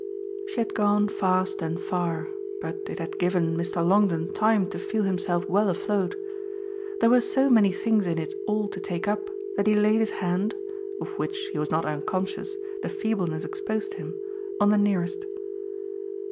She had gone fast and far, but it had given Mr. Longdon time to feel himself well afloat. There were so many things in it all to take up that he laid his hand of which, he was not unconscious, the feebleness exposed him on the nearest.